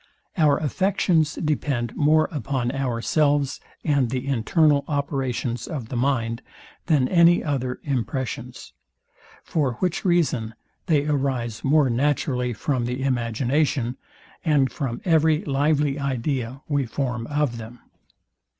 Our affections depend more upon ourselves, and the internal operations of the mind, than any other impressions; for which reason they arise more naturally from the imagination, and from every lively idea we form of them.